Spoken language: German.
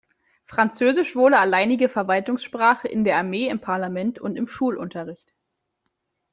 Französisch wurde alleinige Verwaltungssprache, in der Armee, im Parlament und im Schulunterricht.